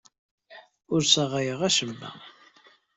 Ur ssaɣayeɣ acemma.